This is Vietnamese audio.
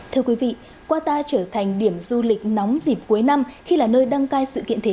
thưa quý vị qua ta trở thành điểm du lịch nóng dịp cuối năm khi là nơi đăng cai sự kiện thể